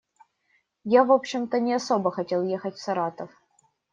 Я, в общем-то, не особо хотел ехать в Саратов.